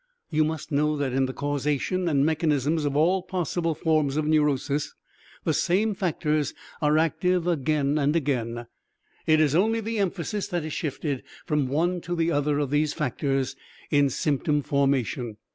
You must know that in the causation and mechanisms of all possible forms of neurosis, the same factors are active again and again; it is only the emphasis that is shifted from one to the other of these factors in symptom formation.